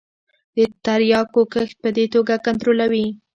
د تریاکو کښت په دې توګه کنترولوي.